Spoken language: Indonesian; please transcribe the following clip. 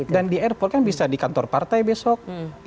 dan di airport kan bisa di kantor partai besok